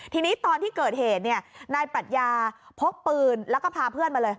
ทีนี้ตอนที่เกิดเหตุเนี่ยนายปรัชญาพกปืนแล้วก็พาเพื่อนมาเลย